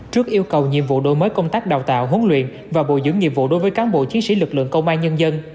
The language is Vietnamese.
trước yêu cầu nhiệm vụ đối mối công tác đào tạo huấn luyện và bộ giữ nghiệp vụ đối với cán bộ chiến sĩ lực lượng công an nhân dân